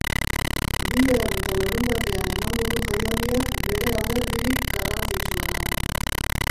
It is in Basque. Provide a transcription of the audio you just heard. Bihar eta larunbatean emango du jaialdiak bere alderdirik garrantzitsuena.